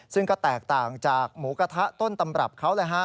ซึ่งก็แตกต่างจากหมูกระทะต้นตำรับเขาเลยฮะ